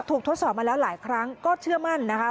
ทดสอบมาแล้วหลายครั้งก็เชื่อมั่นนะคะ